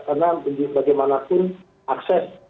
karena bagaimanapun akses